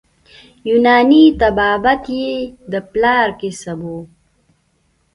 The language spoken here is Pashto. یوناني طبابت یې د پلار کسب وو.